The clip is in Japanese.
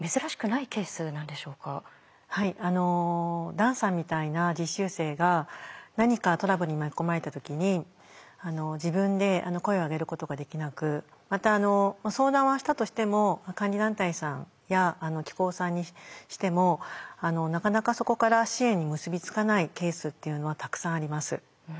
ダンさんみたいな実習生が何かトラブルに巻き込まれた時に自分で声を上げることができなくまた相談はしたとしても監理団体さんや機構さんにしてもなかなかそこから支援に結び付かないケースっていうのはたくさんあります。